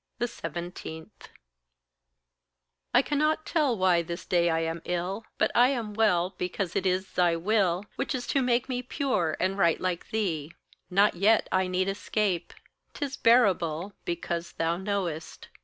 17. I cannot tell why this day I am ill; But I am well because it is thy will Which is to make me pure and right like thee. Not yet I need escape 'tis bearable Because thou knowest.